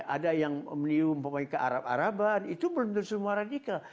ada yang menyebut kearab araban itu belum tentu semua radikal